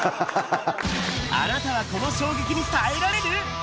あなたはこの衝撃に耐えられる？